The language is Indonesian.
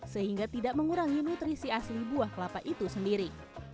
sehingga tidak mengurangi nutrisi asli buah kelapa itu sendiri